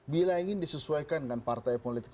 bila ingin disesuaikan dengan partai politik